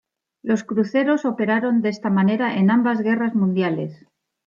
Los cruceros operaron de esta manera en ambas Guerras Mundiales.